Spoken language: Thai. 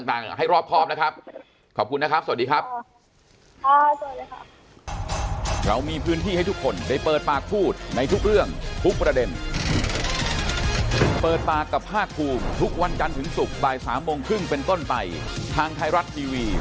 ต่างให้รอบครอบนะครับขอบคุณนะครับสวัสดีครับ